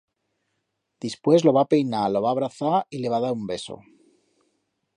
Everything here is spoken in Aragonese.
Dispués lo va peinar, lo va abrazar y le va da un beso.